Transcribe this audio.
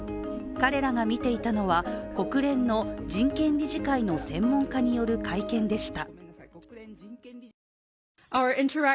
彼らが見ていたのは国連の人権理事会の専門家による会見でした。